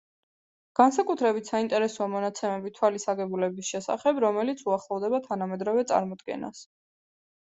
განსაკუთრებით საინტერესოა მონაცემები თვალის აგებულების შესახებ, რომელიც უახლოვდება თანამედროვე წარმოდგენას.